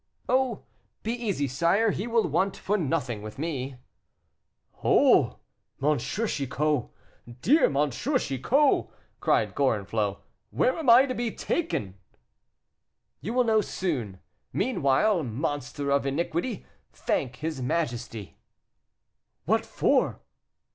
"Oh! be easy, sire, he will want for nothing with me." "Oh! M. Chicot, dear M. Chicot," cried Gorenflot, "where am I to be taken to?" "You will know soon. Meanwhile, monster of iniquity, thank his majesty." "What for?"